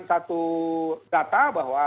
satu data bahwa